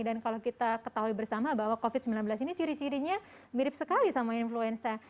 dan kalau kita ketahui bersama bahwa covid sembilan belas ini ciri cirinya mirip sekali sama influenza